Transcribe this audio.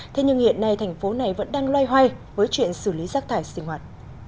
thế nhưng hiện nay thành phố này vẫn đang loay hoay với chuyện xử lý rác thải sinh hoạt